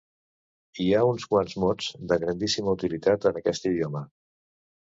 Hi ha uns quants mots de grandíssima utilitat en aquest idioma.